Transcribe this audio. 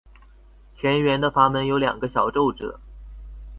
前缘的阀门有两个小皱褶。